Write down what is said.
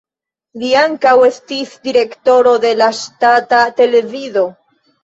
Li ankaŭ estis direktoro de la ŝtata televido.